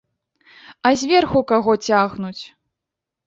А зверху каго цягнуць?